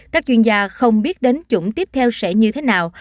các chuyên gia không biết đến chủng tiếp theo sẽ như thế nào